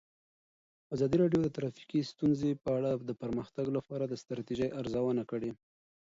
ازادي راډیو د ټرافیکي ستونزې په اړه د پرمختګ لپاره د ستراتیژۍ ارزونه کړې.